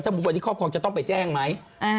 วันที่ครอบครองจะต้องไปแจ้งไหม